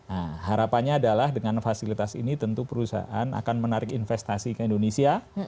nah harapannya adalah dengan fasilitas ini tentu perusahaan akan menarik investasi ke indonesia